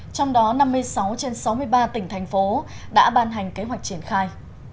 trong đó năm mươi sáu trên sáu mươi ba tỉnh thành phố đã ban hành kế hoạch triển khai